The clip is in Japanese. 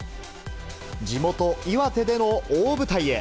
地元、岩手での大舞台へ。